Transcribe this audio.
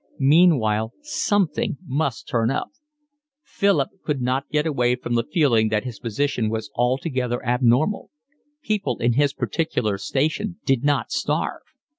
Meanwhile something must turn up; Philip could not get away from the feeling that his position was altogether abnormal; people in his particular station did not starve.